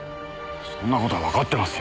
そんな事はわかってますよ。